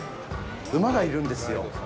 馬がいるんですよ。